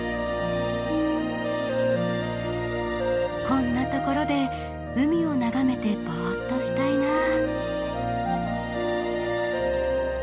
こんな所で海を眺めてぼっとしたいなぁ。